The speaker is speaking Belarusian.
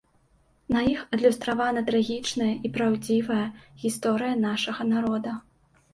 На іх адлюстравана трагічная і праўдзівая гісторыя нашага народа.